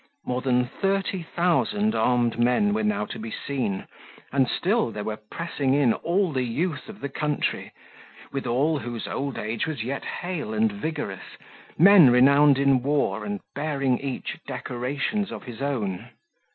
More than 30,000 armed men were now to be seen, and still there were pressing in all the youth of the country, with all whose old age was yet hale and vigorous, men renowned in war and bearing each decorations of his own.